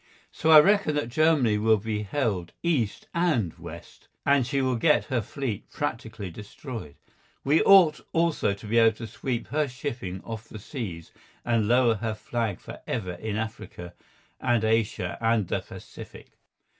So I reckon that Germany will be held east and west, and that she will get her fleet practically destroyed. We ought also to be able to sweep her shipping off the seas, and lower her flag for ever in Africa and Asia and the Pacific.